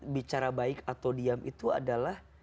bicara baik atau diam itu adalah